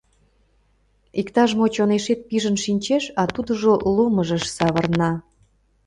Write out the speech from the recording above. Иктаж-мо чонешет пижын шинчеш, а тудыжо ломыжыш савырна.